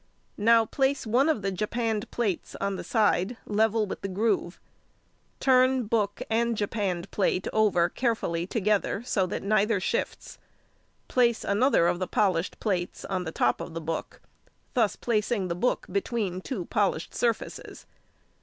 Now place one of the japanned plates on the side level with the groove; turn book and japanned plate over carefully together, so that neither shifts; place another of the polished plates on the top of the book, thus placing the book between two polished surfaces.